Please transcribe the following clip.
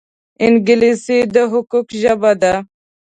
انګلیسي د حقوقو ژبه ده